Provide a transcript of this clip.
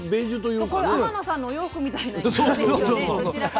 そうこういう天野さんのお洋服みたいな色ですよね